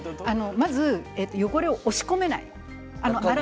まず汚れを押し込めない。